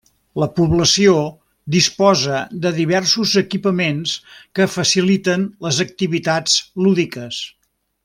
La població disposa de diversos equipaments que faciliten les activitats lúdiques.